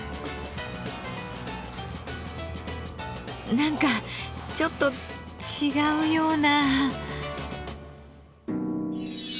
何かちょっと違うような。